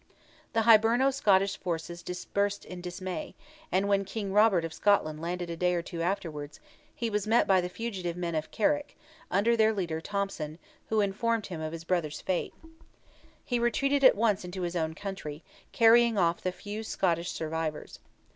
The Hiberno Scottish forces dispersed in dismay, and when King Robert of Scotland landed a day or two afterwards, he was met by the fugitive men of Carrick, under their leader Thompson, who informed him of his brother's fate. He returned at once into his own country, carrying off the few Scottish survivors.